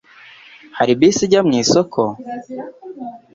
Hari bisi ijya mu isoko?